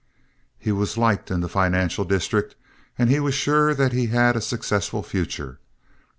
He was liked in the financial district and he was sure that he had a successful future.